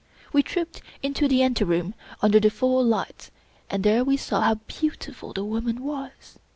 We trooped into the anteroom, under the full lights, and there we saw how beautiful the woman was.